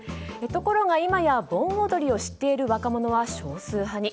ところが今や盆踊りを知っている若者は少数派に。